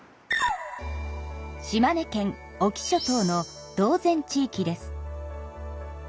島根県隠岐諸島の島前地域です。